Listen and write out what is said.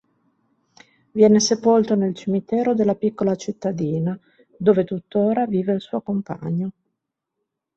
Viene sepolto nel cimitero della piccola cittadina, dove tuttora vive il suo compagno.